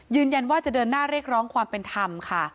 ยืนยันว่าจะเดินหน้าเรียกร้องความเป็นธรรมค่ะ